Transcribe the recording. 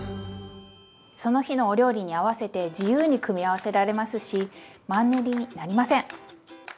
その日のお料理に合わせて自由に組み合わせられますしマンネリになりません！